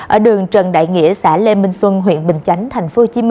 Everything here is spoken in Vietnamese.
ở đường trần đại nghĩa xã lê minh xuân huyện bình chánh tp hcm